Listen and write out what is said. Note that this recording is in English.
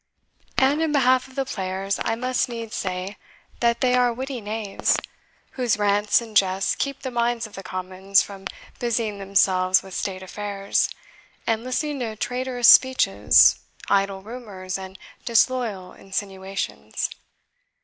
And in behalf of the players, I must needs say that they are witty knaves, whose rants and jests keep the minds of the commons from busying themselves with state affairs, and listening to traitorous speeches, idle rumours, and disloyal insinuations.